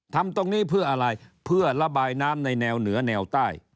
ทำตรงนี้เพื่ออะไรเพื่อระบายน้ำในแนวเหนือแนวใต้